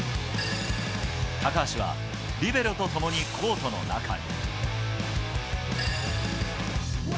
高橋はリベロと共にコートの中に。